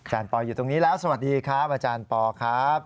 ปออยู่ตรงนี้แล้วสวัสดีครับอาจารย์ปอครับ